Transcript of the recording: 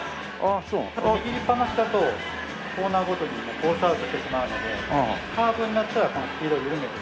あと握りっぱなしだとコーナーごとにコースアウトしてしまうのでカーブになったらこのスピードを緩める。